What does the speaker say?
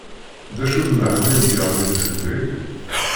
D acu n lmeḥna i d-yeɣlin fell-ak?